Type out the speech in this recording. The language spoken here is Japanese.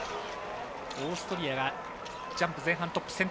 オーストリアがジャンプ前半トップ。